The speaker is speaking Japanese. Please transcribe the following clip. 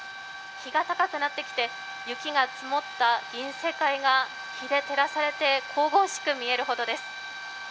日が高くなってきて雪が積もった銀世界が日で照らされて、神々しく見えるほどです。